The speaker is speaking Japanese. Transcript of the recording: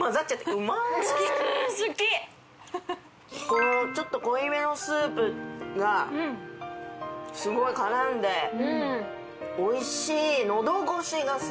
このちょっと濃いめのスープがすごい絡んでおいしい喉越しがすごくいい。